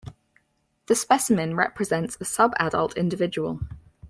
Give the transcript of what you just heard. The specimen represents a subadult individual.